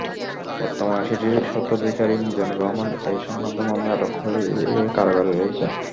বর্তমানে সেটির স্বত্বাধিকারী মিজানুর রহমান এ-সংক্রান্ত মামলায় আটক হয়ে কারাগারে রয়েছেন।